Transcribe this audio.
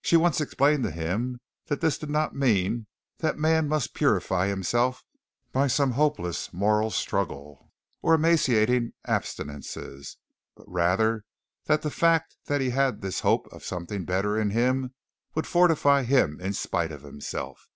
She once explained to him that this did not mean that the man must purify himself by some hopeless moral struggle, or emaciating abstinance, but rather that the fact that he had this hope of something better in him, would fortify him in spite of himself.